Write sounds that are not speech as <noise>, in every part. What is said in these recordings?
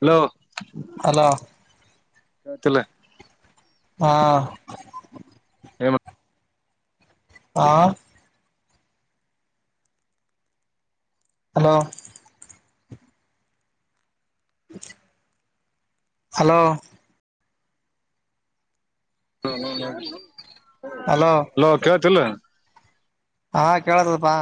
Hello hello ತ್ತಿಲ್ಲ ಆ ಏನು ಆ ಹಲೋ <inaudible> ಹಲೋ <unintelligible> ಹಲೋ ಕೇಳ್ತಿಲ್ಲ. ಹಾ ಕೇಳಾರಪ್ಪಾ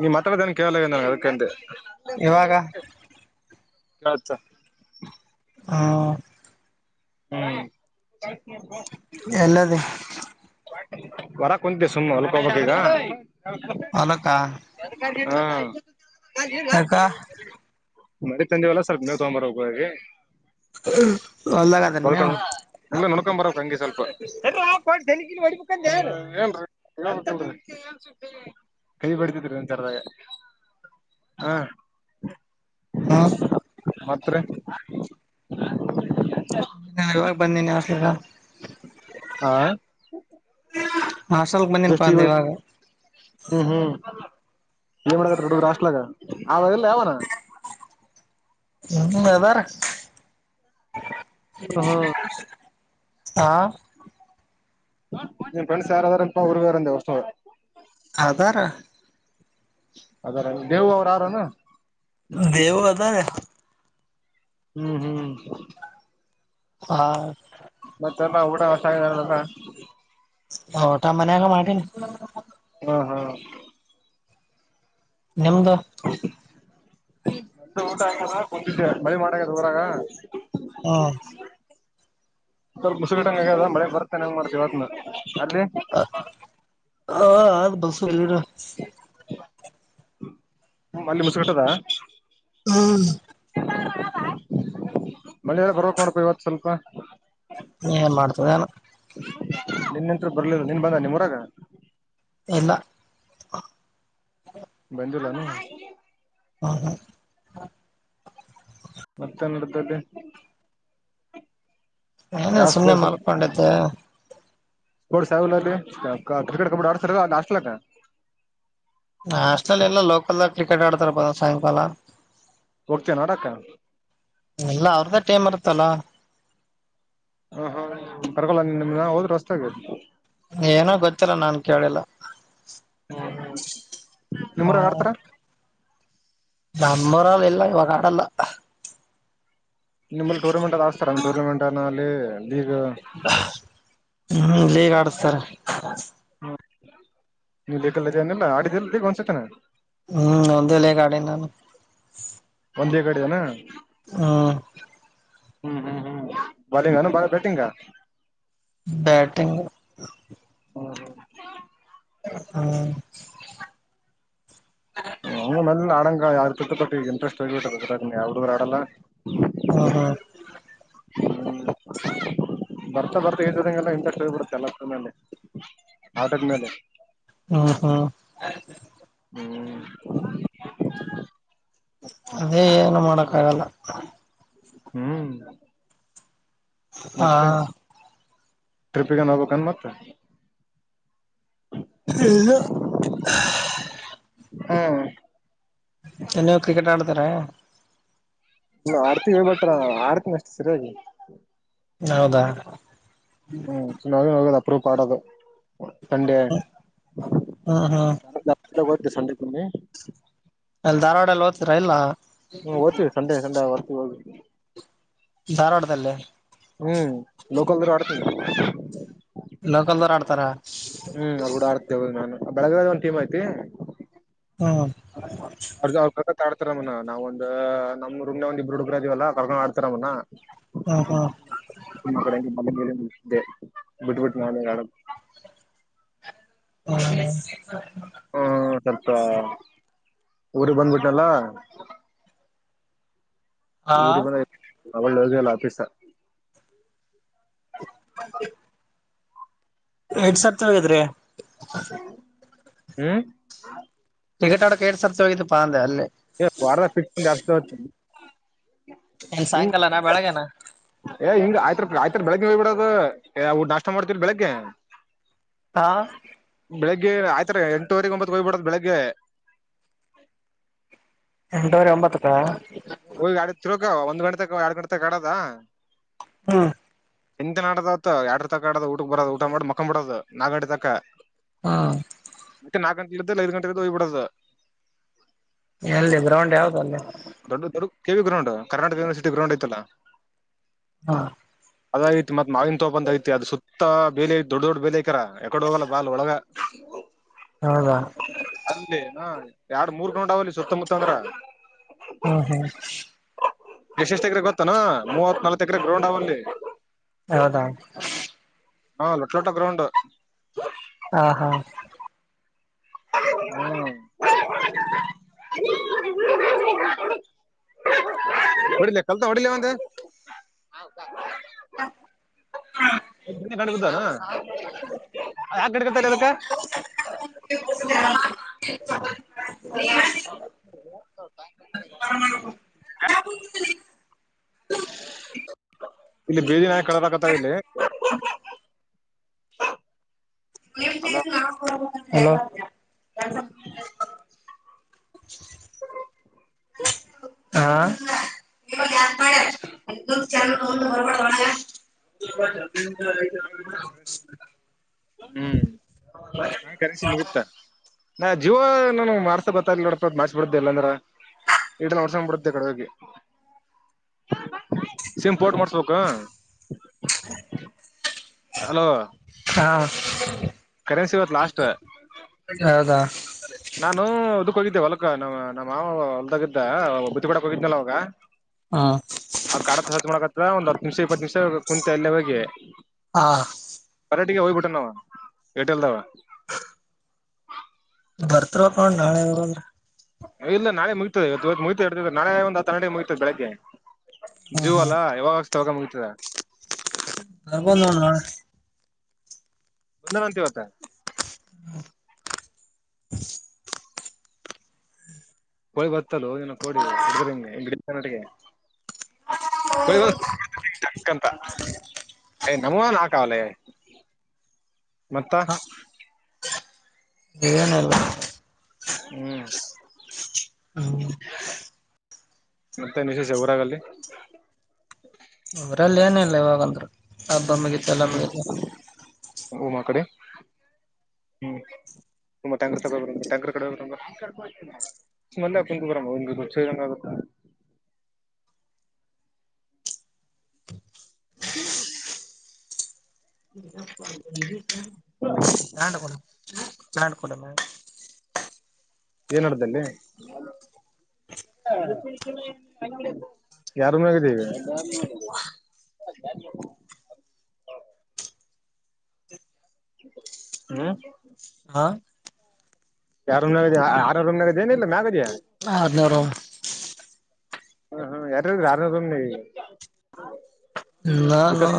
ನೀ ಮಾತಾಡೋದ್ ಏನ್ ಕೇಳಲಾಗನ ಅದಕ್ ಅಂದೆ. ಇವಾಗ <unintelligible> ಆ ಹ್ಮು ಎಲ್ಲದಿ ವರಾ ಕುಂತೆ ಸುಮ್ಮ್ ಹೊಲಕ್ ಹೋಗ್ಬೇಕ್ ಈಗಾ. ಹೊಲಕ್ಕ ಆ ಯಾಕ ಮದೆ ತಜೆಲ್ಲ ಸ್ರ್ಲ್ಪ ನೇವು ತೊಂಬರ ಹೋಗುವೆ ಹೊಲ್ದಾಗ ಅದನ್ ಮೇವು ನೋಡ್ಕೊ್ ಬರಕ್ ಹಂಗೆ ಸ್ವಲ್ಪ ದನ ವಳ ಬುಕ್ಕಾನ್ ಾರ ಕೈಿ ಬಡ್ತಿದರಿ ಒಂದ್ಸರದಾಗ ಹಾ ಹ್ಮ್ ಮತ್ರ ಇವಾಗ ಬಂದೀನಿ ಆಸ ಆಾ ಹಸಲ್ಕ್ ಬಂದನ್ಪ ಅಂದ ಇವಾಗ ಹ್ಮ್ ಹ್ಮ್ ಏನ್ ಮಾಡತ್ ದೊಡ್ಡ ರಾಷ್ಟಲಾಗ ಆವಾಗೆಲ್ಲ ಯಾವನ ಹ್ಮ ಯದಾರ ಹ್ಮ್ ಹಾ ನಿನ್ ಫ್ರೆಂಡ್ಸ್ ಯಾರಾದಾರಪ್ಪ ಹುರ್ಗ ಯಾರಂದ ಹದಾರ ಅದಾರ ದೇವು ಅವ್ರ ಯಾರನು ದೇವ ಅದ ಹ್ಮ್ ಹ್ಮ್ ಹಾ ಮತ್ತೆಲ್ಲ ಊಟ ಹೊಸಲ್ಲ ಹೊಟಾ ಮನ್ಯಾಗ ಮಾಡ್ತನ ಹ್ಮ್ ಹ್ಮ್ ನಿಮ್ದು ಊಟಾ ಆಗೆದಾ ಬಂದಿದೆ ಮಳಿ ಮನೆಗಂಡ್ ಆಗಾದಾಉರಾಗ ಹಾ ಸ್ವಲ್ಪ ಮುಸಗಿಟಂಗ ಆಗದ ಮಳೆ ಬರ್ತದ ಹೆಂಗ್ ಮಾಡ್ತದ ಇವತ್ನ ಅಲ್ಲಿ ಹ ಹ ಆದ್ ಬಸರಿ ಗಿಡ ಅಲ್ಲಿ ಮುಸ್ಕಟ್ಟದ ಹ್ಮ ಮಳಲ್ಲ ಬರಬೇಕು ನೋಡಪ್ಪ ಇವತ್ತು ಸ್ವಲ್ಪ ಹೆನ್ ಮಾಡ್ತದಾನ ನಿನ್ನೆ ಅಂತರ ಬರ್ಲಿಲ್ಲ ನೀನ್ ಬಂದದ ನಿಮ್ಮರಗ ಇಲ್ಲ ಇಲ್ಲ ಬಂದಿಲ್ಲ ನು ಹಾ ಹಾ ಮತ್ತೇನ್ ನಡ್ದಲ್ಲೆ ಏನ ಸುಮ್ನೆ ಮಲ್ಕೊಂಡಿದ್ದೆ ಗ್ರೌಂಡ್ ಸಣ್ಣದಲ್ಆ ಕ್ರಿಕೆಟ್ ಕಬಡ್ಡಿಆಡುದ್ರಲ್ಲ ಹಾಸ್ಟೆಲ್ದಾಗ ನಾ ಹಾಷ್ಟೇಲ್ ಈಲ್ಲ ಲೋಕಲದಾಗ ಕ್ರಿಕೆಟ್ ಆಡ್ತಾರಪ್ಪ ಸಾಯಂಕಾಲ ಹೋಗ್ತೀಯೇನ್ ಆಡಾಕ ಇಲ್ಲ ಅವ್ರ್ದ ಟಿಮ್ ಇರುತ್ತಲ್ಲ ಹ ಹ ಕರ್ಕೊಲ್ಲ ನಿನ್ನ ಹೋದ್ರು ಹೊಸದಾಗಿ ಏನೋ ಗೊತ್ತಿಲ್ಲ ನಾನ್ ಕೇಳಿಲ್ಲ ನಿಮ್ಮ್ ಊರಗ ಆಡ್ತಾರ ನಮ್ಮೂರ ಗ ಇಲ್ಲ ಇವಾಗಾಡಲ್ಲ ನಿಮ್ಮಲ್ಲಿ ಟೂರ್ನಮೆಂಟ್ ಅದು ಆಡುಸ್ತಾರ ನಿಮ್ಮ ಟೂರ್ನಮೆಂಟ್ನ ಅಲ್ಲಿ ಇಗ್ ಹ್ಮ್ ಈಗ್ ಆಡಸ್ತಾರ್ ಹ್ಮ ನೀ ಕ್ರಿಕೆಟ್ಲ್ಲ ಆಡಿದೆಲ್ಲ ಒಂದು ಸರ್ತ್ಯನ ಹ್ಮ್ ಒಂದಲ್ಲಗಾಡ ನಾ ಒಂದೆ ಕಡೆ ಆಡಿದನು ಹ್ಮ ಹ್ಮ್ ಹ್ಮ್ ಹ್ಮ್ ಬಾಲಿಂಗ ಬಾಲ ಬ್ಯಾಟಿಂಗಾ ಬ್ಯಾಟಿಂಗ್ ಹೌ ಹ್ಮ ಪುಟ್ಟಪಟ್ಟ ಇಂಟ್ರೆಸ್ಟ್ ಹೋಗಿದ ಯಾವುದರಾಗ ಹುಡುಗರು ಆಡಲ್ಲ ಹ್ಮ ಹಾ ಹ ಬರ್ತಾ ಬರ್ತಾ ಇದದಂಗೆಲ್ಲ ಇಂಟರೆಸ್ಟ್ ಹೋಗಿ ಬಿಡತದಲ್ಲ ಎಲ್ಲಕ್ಕ ಮೇಲೆ ಆಟದ ಮೇಲೆ ಹ್ಮ ಹ್ಮ ಹ್ಮ್ ಅದೇ ಏನು ಮಾಡಕ್ಕಾಗಲ್ಲ ಹ್ಮ್ ಹಾ ಟ್ರಿಪಿ ಗೆನ ಏನಾರ ಹೋಗ್ಬೇಕನು ಮತ್ತ ಹ್ಮ ಹಾ ಚೆನ್ನಯರು ಕ್ರಿಕೆಟ್ ಆಡ್ತಾರ ಇ ಆಡ್ತಿ ವಿ ಹೇಳ್ಬಟ್ರ ಆಡುತ್ತೇನೆ ಅಷ್ಟೇ ಸರಿಯಾಗಿ ಹೌದಾ ಹ್ಮ್ ಚನ್ನಾಗಿ ಅದು ಅಪ್ರೂಪ್ ಆಡೋದು ಸಂಡೆ ಹ್ಮ್ ಹ್ಮ್ ಸಂಡೇ ಕಮ್ಮಿ ಅಲ್ಲಿ ಧಾರವಾಡ ಅಲ್ಲಿ ಓದ್ತರಾಇಲ್ಲ ಹ್ಮ್ ಓತ್ತಿವಿ ಸಂಡೆ ಸಂಡೆ ಬರ್ತೀವಿ ಹೋಗದು ಧಾರವಾಡದಲ್ಲೇ ಹ್ಮ್ ಲೋಕಲ್ದ ಆಡ್ತ ಲೋಕಲ್ ದವ್ರು ಆಡ್ತಾರ ಹ್ಮ್ ಅ ಕೂಡ ಆಡ್ತ ಹ ನಾನ್ ಬೆಳಗ್ಗೆದ ಒಂದ ಟೀಮ ಐತಿರಿ ಹ್ಮ ಅವ್ರ ಅವ್ ಕತ ಆಡ್ತಾರಮ್ಮನ ನಾವ ಒಂದ ನಮ್ಮ ರುಮ್ ಒಂದ ಇಬ್ಬರು ಹಡುಬ್ರ ಇದಿವವಲ್ಲ ಕರ್ಕೊಂಡ್ ಆಡ್ತಾರಮ್ಮನ ಹ್ಮ್ ಹ್ಮ್ ನಿಮ್ಮ ಕಡೆ ಮನೆ ಬಿಟ್ಬಿಟ್ಟು ನಾನಡ ಹೌ ಹ್ಮ ಸ್ವಲ್ಪ ಊರು ಬಂದ್ಬಿಟ್ಟನಲ್ಲ ಹಾ ಅವಳಲ್ಲ ಆಫೀಸ ಎಡ್ ಸರ್ತವೆ ಅದ್ರಿ ಹ್ಮ ಟಿಕಟ್ ಆಡಕ್ ಎಡ್ ಸರ್ ಹೋಗತ್ತುಪ್ಪ ಅಂದೆ ಅಲ್ಲಿ ಏ ವಾರದಾಗ ಫಿಕ್ಸ್ ಒಂದ್ ಎರಡ್ ಸಲ ಹೋಗ್ತೀನಿ ಎನ್ ಸಾಯಂಕಾಲ ನಾ ಬೆಳಗನಾ ಆಯ್ತ ಆಯ್ತತ್ರ ಬೆಳಗ್ಗೆ ಹೋಗ್ ಬಿಡದು ಊ ನಾಷ್ಟ ಮಾಡ್ತ್ರ ಬೆಳಗ್ಗೆ ಹಾ ಆಯ್ತ ಎಂಟುವರೆಗೆ ಒಂಬತ್ತು ಹೋಗ್ ಬಿಡ್ ಬೆಳಗ್ಗೆ ಎಂಟೂವರೆ ಒಂಬತ್ತಕ್ಕ ಈಗ ಒಂದ್ ಗಂಟೆಗ ಎರಡ್ ಗಂಟೆ ತಗ ಆಡದ ಹಾ ಎಂತ ನಾಡದವತ್ ಯಡ್ರ ತಕ ಆಡದ ಊಟಕ್ ಬರೋದ ಊಟ ಮಾಡಿ ಮಕೊಂಡ್ ಬಿಡೋದು ನಾಗಾಡ್ಡಿ ತಕ ಹಾ ಇಡಲ್ಲ ಐದು ಗಂಟೆಗೆ ತೋಬಡದ ಎಲ್ಲಿ ಗ್ರೌಂಡ್ ಯಾವ್ದ ಅಲ್ಲಿ ಅವ K V ground Karnataka university ground ಐತಲ್ಲ ಹಾ ಅದ ಐತಿ ಮತ್ ಮಾಗನ್ ತೋಂತ ಐತಿ ಅದು ಸುತ್ತ ಮತ್ತ ಬೇಲಿ ದೊಡ್ಡ ದೊಡ್ ಬೇಲಿ ಆಕರ ಎಕಡೆ ಹೋಗಲ್ಲ ಬಾಲ್ ಒಳಗ ಹೌದಾ ಅ ಎರಡು ಮೂರ್ ಗೌಂಡಲಿ ಸುತ್ತಮುತ್ತ ಅಂದ್ರ ಹ್ಮ ಹ್ಮ ಎಷ್ಟ ಎಷ್ಟ್ ಎಕರೆ ಗೊತ್ತನಾ ಮೂವತ್ ನಾಲ್ತ್ ಎಕರೆ ಗ್ರೌಂಡ್ ಅವಲ್ಲಿ ಹೌದಾ ಹಾ ಲೊಟ್ಟ ಲೊಟ್ಟ ಗ್ರೌಂಡ್ ಹಾ ಹಾ ಹ್ಮ್ <unintelligible> ಹೊಡಿಲ ಕಲ್ ಹೊಡಿಲ ಒಂದು ಹ ುದ ಯಾಕ ಗಡಕತಾರೆ ಅದಕ್ಕ ಹ ಕ ಹ ಇಲ್ಲಿ ಬೇದಿನ ಕಳಬೇಕತಾವ ಇಲ್ಲಿ <unintelligible> <inaudible> ಹಾ ಹೊರಬ ನಾವ ಮುಗಿತ ಕರೆನ್ಸಿ ಹ್ಮ್ ನಾವೇ ಕರೆನ್ಸಿ ಮುಗಿತ ನಾ ಜೀವ ನಾನು ಮಾರ್ಸ ಬತ ನೋಡ ಮಾರ್ಚ್ಬ ಬಿಡ್ದೆ ಇಲ್ಲಾಂದ್ರ ಇಡಲ್ಲ ಹೊಡ್ಸೊಂಡ್ ಬಿಡುತ್ತೆ ಕಡೆ ಹೋಗಿ ಸಿಮ್ ಪೋಟ್ ಮಾಡಸ್ಬೇಕ ಹಲೋ ಹಾ ಹೌದಾ ನಾನು ಒದಕ್ ಹೋಗಿದ್ದೆ ಹೊಲ್ಕ ನ್ ನಮ್ಮ ಮಾವ ಹೊಲ್ದಾಗಿದ್ದ ಬುದ್ದಿಪಡಕ್ ಹೋಗಿದ್ನಲ್ಲ ಅವಾಗ ಹಾ ಅವ ಕಾಡ ಮಾಡಕತ್ರ ಒಂದ್ ಹತ್ತು ನಿಮಿಷ ಇಪ್ಪತ್ತು ನಿಮಿಷ ಕುಂತ ಅಲ್ಲೇ ಹೋಗಿ ಹಾ ಎ ವೈಪಟ ನವಾ ಎರ್ಟೆಲ್ ದವಾ ಬರ್ತವ ನೋೊಂಡ್ ನಾಳೆಂಗರು ಅಂದ್ರ ಇಲ್ಲ ನಾೆ ಮುಗಿತತದೆ ಮುಗಡ್ತ ನಳೆ ಒಂದು ಆನ್ನಡೆ ಮುಗಿತತದೆ ಬೆಳಗ್ಗೆ ಹ್ಮ್ ಜೂವ ಹ್ಮ್ ಅಲ್ಲಾ ಯಾವಾಗಷ್ಟ ತಗ ಮುಗತದ ನಪೊಂದಣ ನಳ ಮುಂದ ಅಂತವತ್ತ ಹ ಕೋಡಿಿ ಬತ್ತಲ್ಲನ ಕೋಡಿ ಹಿಡ್ದ್ರ ಹಿಂಗ ಹೆಂಗ್ ಗಿಡ ನಟಿಗೆ ಕೊಯಕ್ಕಂತ ಏ್ ನಮನ್ ಆಕಾವಾಲ ಮತ್ತ ದೇವನಲ್ಲ ಹ್ಮ್ ಹ್ಮ ಮತ್ತೆ ನಿಶಿಸಿ ಊರಾಗಲ್ಲಿ ಅವ್ರ ಅಲ್ಲಿ ಏನ ಇಲ್ಲ ಇವಾಗಂದ್ರು ಹಬ್ಬ ಮಿಗತ್ತು ಎಲ್ಲ ಹ್ಮ್ ಮುಗತ್ತು ಉಮಾ ಕಡೆ ಹ್ಮ್ ತುಂಬಾ ಟ್ಯಾಕ್ರ ತಗೊಂಡಬ ಟ್ಯಾಂಕ್ರ ಕು ಬರಂಗ ಆಗುತ್ತ <unintelligible> ಹ್ಮ ಚ ಕೊಡ ಚನ್ನ ಕೊಡ ಮ ಏನಡ್ದಲ್ಲಿ ಯಾರ ಮಗಿದ್ದೀವಿ ಹ ಹ್ಮ ಹಾ ಯಾರ ಆ ಏನಿಲ್ಲ ಮ್ಯಾಗದ ಆ ಅೂರ ಹ್ಮ ಹ್ಮ ಯಾರ ಯಾರ ನಾನು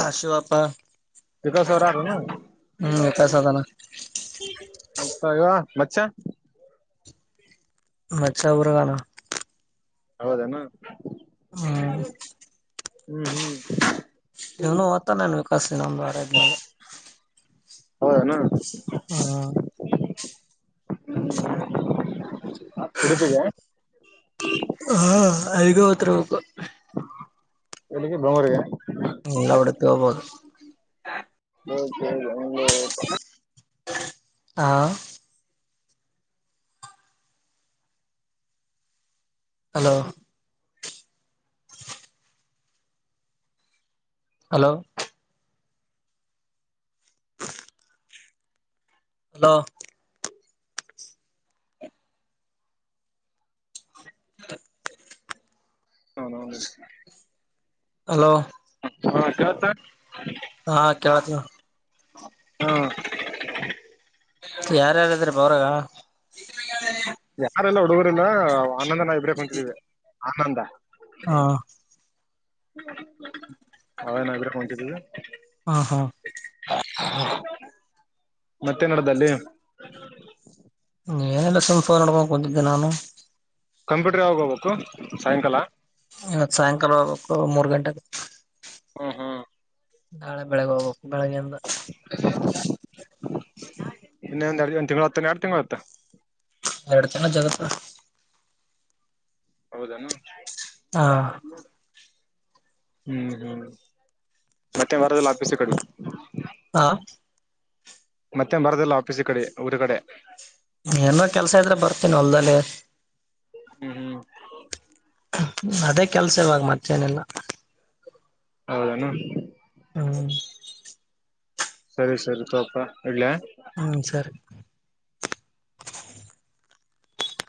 ಆಶಿವಪ್ಪಾ ವಿಕಸ್ ಅವರಾರನು ವಿಕಾಸ್ ಅದಾನ ಇ ಮಸ ನಚ್ಚ ಪರಗಾನ ಹೌದನಾ ಹ್ಮ್ ಹ್ಮ್ ಹ್ಮ್ ಇವನು ತ ನನ್ ವಿಕಾಸ ನಮ ಬಾರ ಇದ್ಮೇಲೆ ಹೌದಣ ಹಾ ಕುಡತಗೆ ಹಾ ಐಗ ಅವತ್ರ ಹು ಎಲ್ಲಿಗೆ ಬಂಗೂರಿಗೆ ಎಲ್ಲ ಹೊಡಿತ ಹೋಗಬೋದು ಹೌ ಸ ಹಾ ಹಲೋ ಹಲೋ ಹಲೋ ಹ ನ ಹಲೋ ಹಾ ಯತ ಹಾ ಕೇಳತ್ ಹಾ ಯಾರ ಯಾರಾದ್ರ ಬ್ರಗ ಯಾರೆಲ್ಲ ಹುಡುಗರಿಲ್ಲ ಆನಂದ ನ ಇಬ್ರೇಕ್ ಹೊಂತಿದೀವಿ ಆನಂದ ಹಾ ಹ್ಮ <inaudible> ಹ ನಗ್ರ ಹೊಂಂತಿದ್ದದು ಹಾ ಹಾ ಮತ್ತೆ ನಡ್ದಲ್ಲಿ ನೀ ಏನ ಎಲ್ಲ ಸಫನ್ ನಕ ಕೊಂ ದಿನಾನ ಕಂಪ್ಯೂಟರ್ ಆೋಗೋಗಬೇಕು ಸಾಯಂಕಾಲ ಆತ್ ಸಾಯಂಕಾಲ ಹೋಗಕ್ಕ ಮೂರ್ ಗಂಟೆ ಹ್ಮ್ ಹ್ಮ್ ನಾಳೆ ಬೆಳಗ್ಗೆ ಹೋಗ್ಬೇಕು ಬೆಳಗ್ಯಿಂದ ಇನ್ನ ಒಂದ್ ಎರಡು ಒಂದ ತಿಂಗಳು ಹತ್ತ ಎರಡು ತಿಂಳ ಹತ್ತ ಎರಡು ಜನ ಜಗತ್ತು ಹೌದಾನ ಹಾ ಹ್ಮ್ ಹ್ಮ್ ಮತ್ತೆ ವಾರಲ್ಲ ಆಪಿಸಿ ಕಡ ಹಾ ಮತ್ತೆ ಬರದಿಲ್ಲ ಆಫೀಸ ಕಡೆ ಊರ ಕಡೆ ಏನೋ ಕೆಲ್ಸ ಇದ್ರೆ ಬರ್ತೀನ ಹೊಲ್ದಲ್ಲಿ ಹ್ಮ್ ಹ್ಮ್ ಅದೇ ಕೆಲ್ಸ ಇವಾಗ ಮತ್ತೇನೆಲ್ಲ ಹೌದಾನ ಹ ಸರಿ ಸರಿ ತೋಪ ಇಡ್ಲ್ ಹ್ಮ ಸರಿ